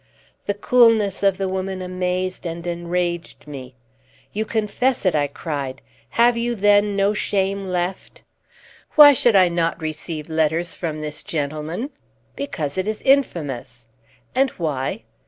The coolness of the woman amazed and enraged me. "You confess it!" I cried. "Have you, then, no shame left?" "Why should I not receive letters from this gentleman?" "Because it is infamous." "And why?"